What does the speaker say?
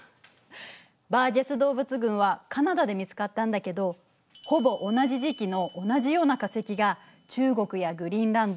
バージェス動物群はカナダで見つかったんだけどほぼ同じ時期の同じような化石が中国やグリーンランド